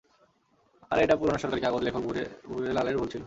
আরে এটা পুরানো সরকারি কাগজ লেখক ভুরে লালের ভুল ছিল।